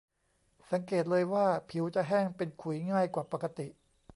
สังเกตเลยว่าผิวจะแห้งเป็นขุยง่ายกว่าปกติ